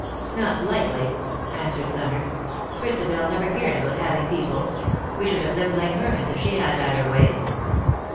^^ Not likely,'^ answered Leonard. " Christabel never cared about having people. We should have lived like hermits if she had had her way.'